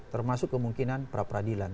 termasuk kemungkinan pra peradilan